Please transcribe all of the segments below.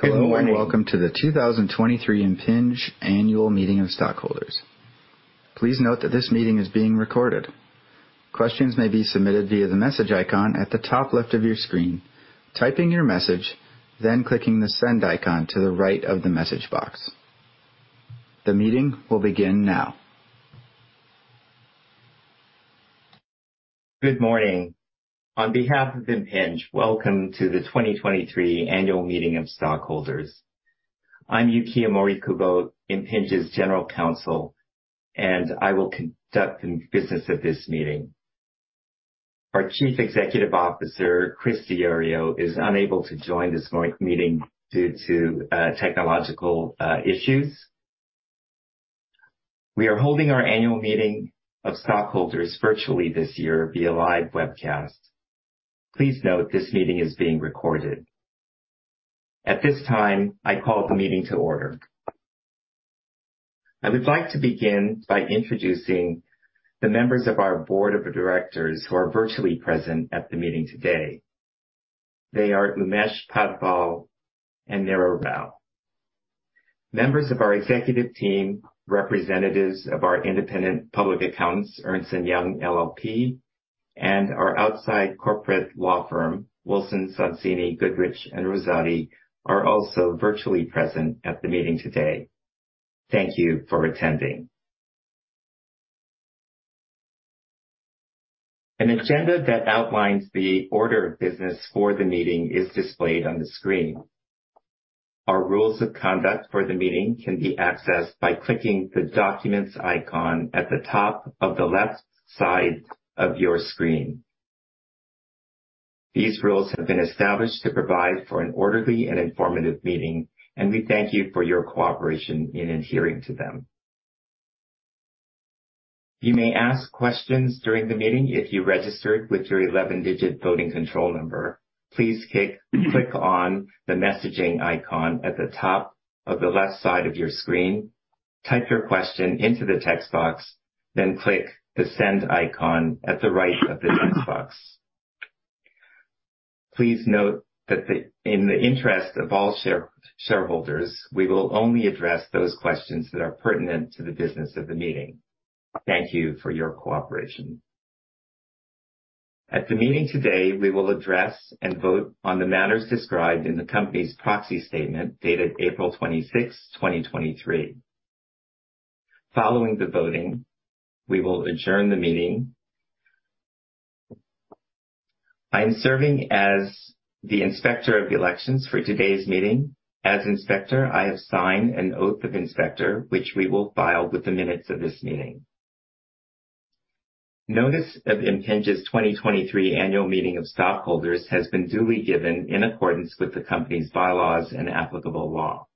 Hello and welcome to the 2023 Impinj Annual Meeting of Stockholders. Please note that this meeting is being recorded. Questions may be submitted via the message icon at the top left of your screen, typing your message, then clicking the send icon to the right of the message box. The meeting will begin now. Good morning. On behalf of Impinj, welcome to the 2023 Annual Meeting of Stockholders. I'm Yukio Morikubo, Impinj's General Counsel, and I will conduct the business of this meeting. Our Chief Executive Officer, Chris Diorio, is unable to join this morning meeting due to technological issues. We are holding our annual meeting of stockholders virtually this year via live webcast. Please note this meeting is being recorded. At this time, I call the meeting to order. I would like to begin by introducing the members of our board of directors who are virtually present at the meeting today. They are Umesh Padval and Meera Rao. Members of our executive team, representatives of our independent public accountants, Ernst & Young LLP, and our outside corporate law firm, Wilson Sonsini Goodrich & Rosati, are also virtually present at the meeting today. Thank you for attending. An agenda that outlines the order of business for the meeting is displayed on the screen. Our rules of conduct for the meeting can be accessed by clicking the Documents icon at the top of the left side of your screen. These rules have been established to provide for an orderly and informative meeting, and we thank you for your cooperation in adhering to them. You may ask questions during the meeting if you registered with your 11-digit voting control number. Please click on the messaging icon at the top of the left side of your screen, type your question into the text box, then click the Send icon at the right of the text box. Please note that in the interest of all shareholders, we will only address those questions that are pertinent to the business of the meeting. Thank you for your cooperation. At the meeting today, we will address and vote on the matters described in the company's proxy statement, dated April 26, 2023. Following the voting, we will adjourn the meeting. I am serving as the Inspector of the Elections for today's meeting. As Inspector, I have signed an Oath of Inspector, which we will file with the minutes of this meeting. Notice of Impinj's 2023 Annual Meeting of Stockholders has been duly given in accordance with the company's bylaws and applicable law.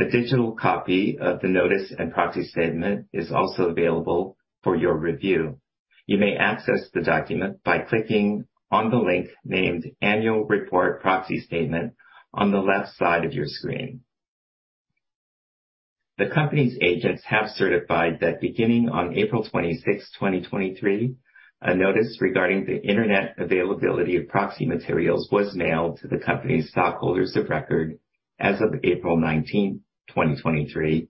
A digital copy of the notice and proxy statement is also available for your review. You may access the document by clicking on the link named Annual Report Proxy Statement on the left side of your screen. The company's agents have certified that, beginning on April 26, 2023, a notice regarding the Internet availability of proxy materials was mailed to the company's stockholders of record as of April 19, 2023,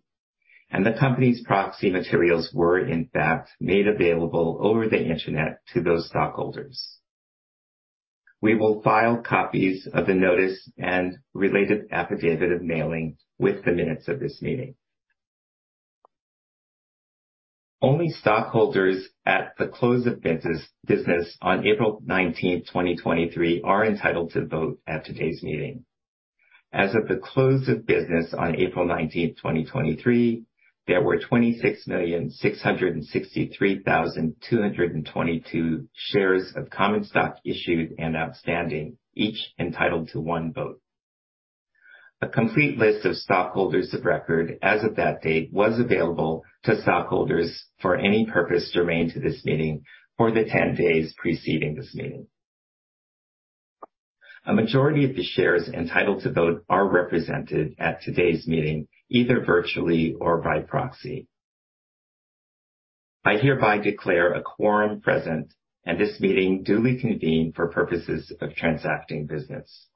and the company's proxy materials were in fact made available over the Internet to those stockholders. We will file copies of the notice and related affidavit of mailing with the minutes of this meeting. Only stockholders at the close of business on April 19, 2023, are entitled to vote at today's meeting. As of the close of business on April 19th, 2023, there were 26,663,222 shares of common stock issued and outstanding, each entitled to one vote. A complete list of stockholders of record as of that date, was available to stockholders for any purpose germane to this meeting for the 10 days preceding this meeting. A majority of the shares entitled to vote are represented at today's meeting, either virtually or by proxy. I hereby declare a quorum present and this meeting duly convened for purposes of transacting business.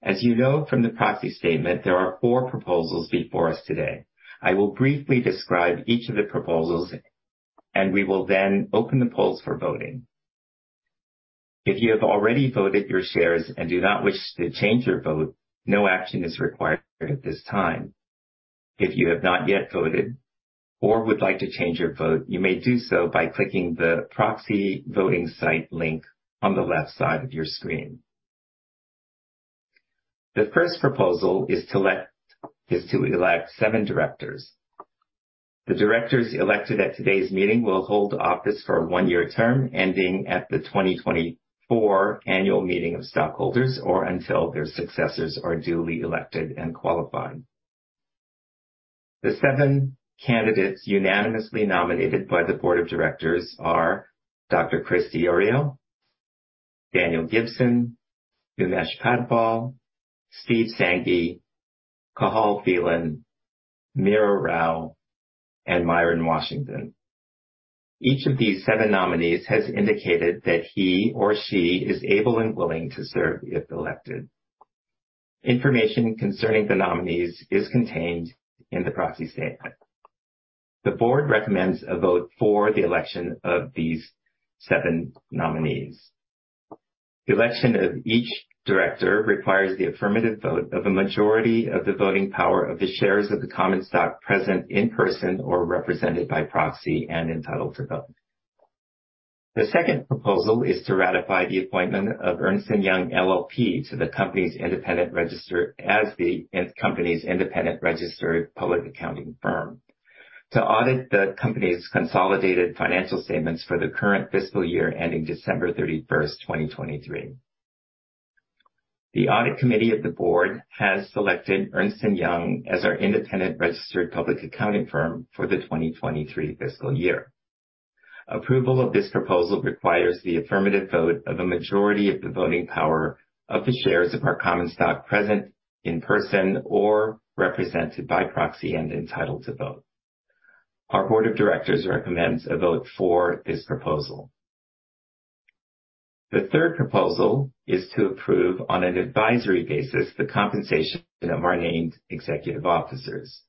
As you know from the proxy statement, there are four proposals before us today. I will briefly describe each of the proposals, and we will then open the polls for voting. If you have already voted your shares and do not wish to change your vote, no action is required at this time. If you have not yet voted or would like to change your vote, you may do so by clicking the proxy voting site link on the left side of your screen. The first proposal is to elect seven directors. The directors elected at today's meeting will hold office for a one-year term, ending at the 2024 annual meeting of stockholders, or until their successors are duly elected and qualified. The seven candidates unanimously nominated by the board of directors are Dr. Chris Diorio, Daniel Gibson, Umesh Padval, Steve Sanghi, Cathal Phelan, Meera Rao, and Miron Washington. Each of these 7 nominees has indicated that he or she is able and willing to serve if elected. Information concerning the nominees is contained in the proxy statement. The board recommends a vote for the election of these seven nominees. The election of each director requires the affirmative vote of a majority of the voting power of the shares of the common stock present in person, or represented by proxy and entitled to vote. The second proposal is to ratify the appointment of Ernst & Young LLP to the company's independent register, as the company's independent registered public accounting firm, to audit the company's consolidated financial statements for the current fiscal year ending December 31st, 2023. The audit committee of the board has selected Ernst & Young as our independent registered public accounting firm for the 2023 fiscal year. Approval of this proposal requires the affirmative vote of a majority of the voting power of the shares of our common stock present in person or represented by proxy and entitled to vote. Our board of directors recommends a vote for this proposal. The third proposal is to approve, on an advisory basis, the compensation of our named executive officers.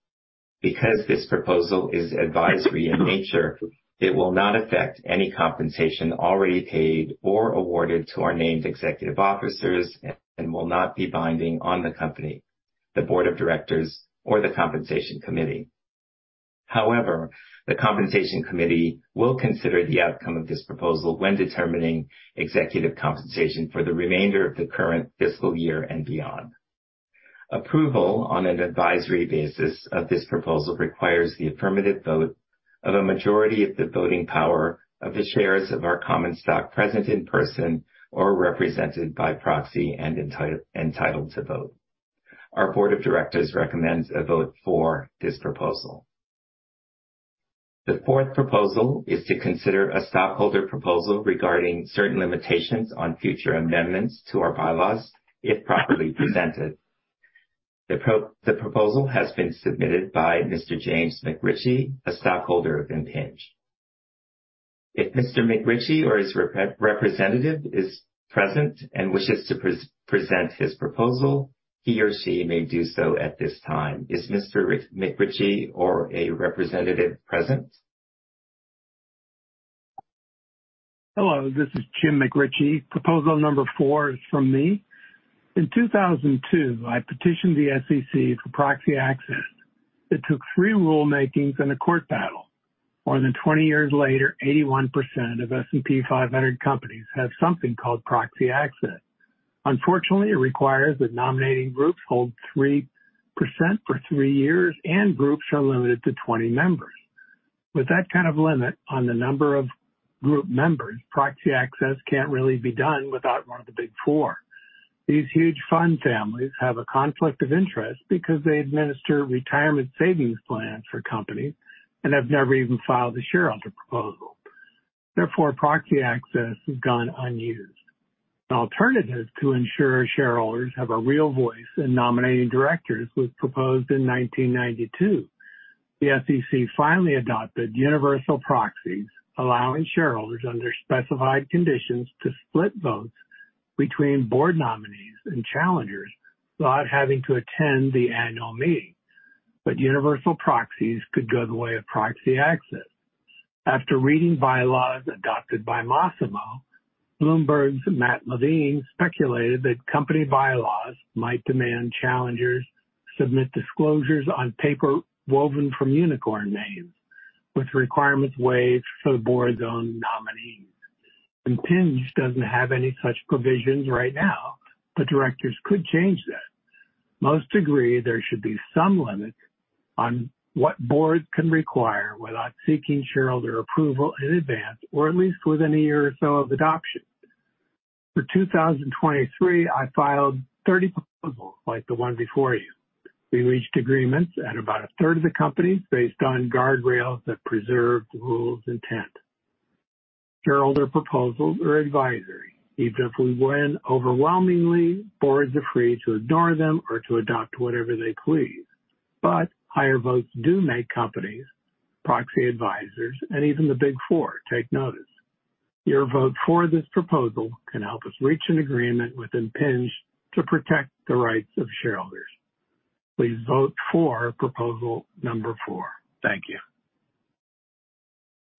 Because this proposal is advisory in nature, it will not affect any compensation already paid or awarded to our named executive officers and will not be binding on the company, the board of directors, or the Compensation Committee. However, the Compensation Committee will consider the outcome of this proposal when determining executive compensation for the remainder of the current fiscal year and beyond. Approval on an advisory basis of this proposal requires the affirmative vote of a majority of the voting power of the shares of our common stock present in person or represented by proxy and entitled to vote. Our board of directors recommends a vote for this proposal. The fourth proposal is to consider a stockholder proposal regarding certain limitations on future amendments to our bylaws, if properly presented. The proposal has been submitted by Mr. James McRitchie, a stockholder of Impinj. If Mr. McRitchie or his representative is present and wishes to present his proposal, he or she may do so at this time. Is Mr. McRitchie or a representative present? Hello, this is Jim McRitchie. Proposal number four is from me. In 2002, I petitioned the SEC for proxy access. It took three rulemakings and a court battle. More than 20 years later, 81% of S&P 500 companies have something called proxy access. Unfortunately, it requires that nominating groups hold 3% for three years, and groups are limited to 20 members. With that kind of limit on the number of group members, proxy access can't really be done without one of the Big Four. These huge fund families have a conflict of interest because they administer retirement savings plans for companies and have never even filed a shareholder proposal. Proxy access has gone unused. An alternative to ensure shareholders have a real voice in nominating directors was proposed in 1992. The SEC finally adopted universal proxies, allowing shareholders, under specified conditions, to split votes between board nominees and challengers without having to attend the annual meeting. Universal proxies could go the way of proxy access. After reading bylaws adopted by Masimo, Bloomberg's Matt Levine speculated that company bylaws might demand challengers submit disclosures on paper woven from unicorns' manes, with requirements waived for the board's own nominees. Impinj doesn't have any such provisions right now, but directors could change that. Most agree there should be some limit on what boards can require without seeking shareholder approval in advance, or at least within a year or so of adoption. For 2023, I filed 30 proposals like the one before you. We reached agreements at about a third of the company, based on guardrails that preserved the rule's intent. Shareholder proposals are advisory. Even if we win overwhelmingly, boards are free to ignore them or to adopt whatever they please. Higher votes do make companies, proxy advisors, and even the Big Four take notice. Your vote for this proposal can help us reach an agreement with Impinj to protect the rights of shareholders. Please vote for proposal number 4. Thank you.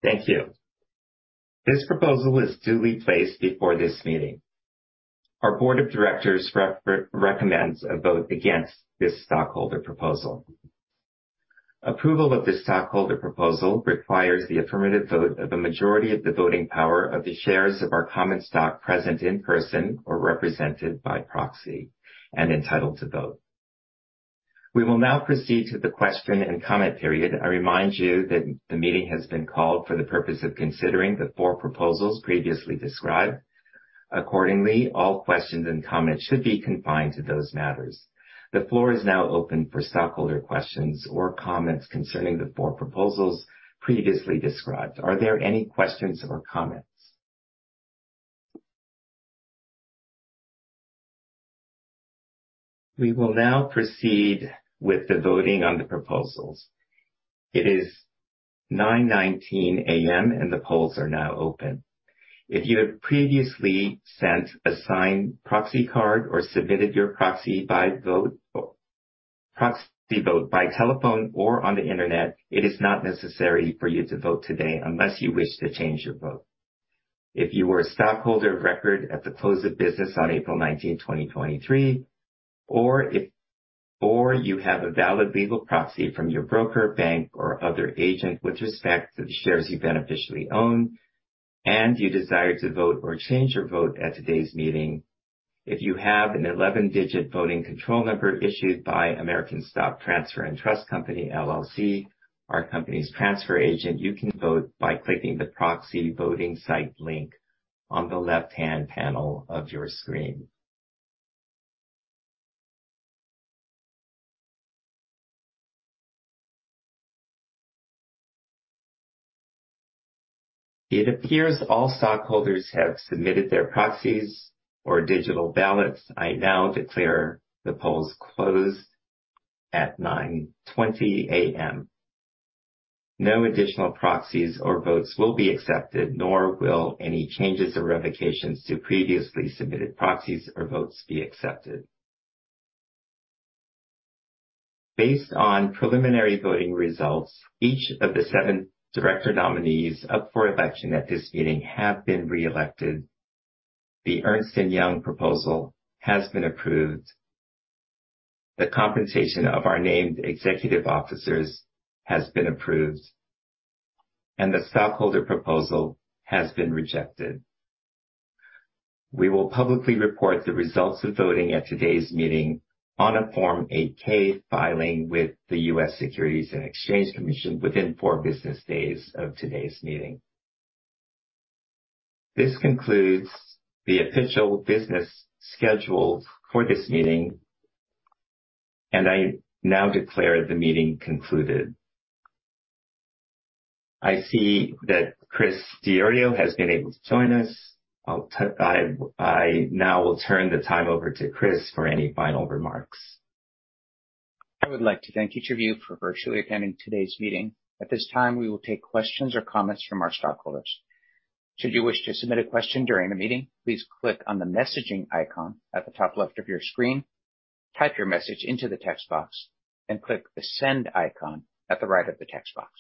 Thank you. This proposal is duly placed before this meeting. Our board of directors recommends a vote against this stockholder proposal. Approval of this stockholder proposal requires the affirmative vote of a majority of the voting power of the shares of our common stock present in person or represented by proxy and entitled to vote. We will now proceed to the question and comment period. I remind you that the meeting has been called for the purpose of considering the four proposals previously described. Accordingly, all questions and comments should be confined to those matters. The floor is now open for stockholder questions or comments concerning the four proposals previously described. Are there any questions or comments? We will now proceed with the voting on the proposals. It is 9:19 A.M., and the polls are now open. If you have previously sent a signed proxy card or submitted your proxy by vote, or proxy vote by telephone or on the Internet, it is not necessary for you to vote today unless you wish to change your vote. If you were a stockholder of record at the close of business on April 19th, 2023, or you have a valid legal proxy from your broker, bank, or other agent with respect to the shares you beneficially own and you desire to vote or change your vote at today's meeting, if you have an 11-digit voting control number issued by American Stock Transfer & Trust Company, LLC, our company's transfer agent, you can vote by clicking the proxy voting site link on the left-hand panel of your screen. It appears all stockholders have submitted their proxies or digital ballots. I now declare the polls closed at 9:20 A.M. No additional proxies or votes will be accepted, nor will any changes or revocations to previously submitted proxies or votes be accepted. Based on preliminary voting results, each of the seven director nominees up for election at this meeting have been reelected. The Ernst & Young proposal has been approved. The compensation of our named executive officers has been approved. The stockholder proposal has been rejected. We will publicly report the results of voting at today's meeting on a Form 8-K filing with the US Securities and Exchange Commission within four business days of today's meeting. This concludes the official business scheduled for this meeting. I now declare the meeting concluded. I see that Chris Diorio has been able to join us. I now will turn the time over to Chris for any final remarks. I would like to thank each of you for virtually attending today's meeting. At this time, we will take questions or comments from our stockholders. Should you wish to submit a question during the meeting, please click on the messaging icon at the top left of your screen, type your message into the text box, and click the send icon at the right of the text box.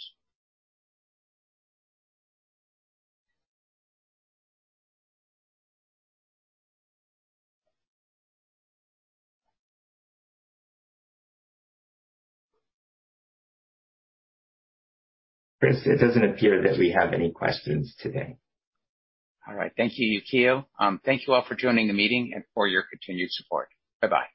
Chris, it doesn't appear that we have any questions today. All right. Thank you, Yukio. Thank you all for joining the meeting and for your continued support. Bye-bye.